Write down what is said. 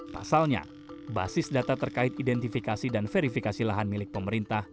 pasalnya basis data terkait identifikasi dan verifikasi lahan milik pemerintah